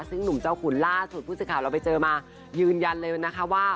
ซึ่งหนุ่มเจ้าขุนล่าสุดผู้สื่อข่าวเราไปเจอมายืนยันเลยนะคะว่า